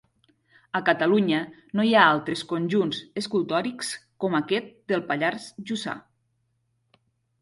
A Catalunya no hi ha altres conjunts escultòrics com aquest del Pallars Jussà.